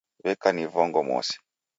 w'eka ni vongo mosi